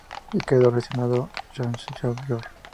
Y quedó seleccionado Chancellor.